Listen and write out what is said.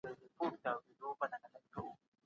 تدريس محدود وخت لري.